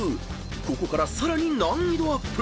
［ここからさらに難易度アップ］